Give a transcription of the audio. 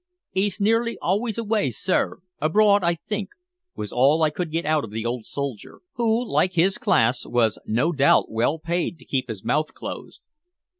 "'E's nearly always away, sir abroad, I think," was all I could get out of the old soldier, who, like his class, was no doubt well paid to keep his mouth closed.